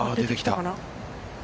出てきた。